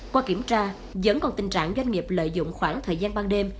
qua kiểm tra vẫn còn tình trạng doanh nghiệp lợi dụng khoảng thời gian ban đêm